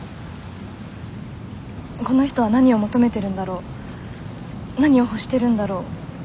この人は何を求めてるんだろう何を欲してるんだろう。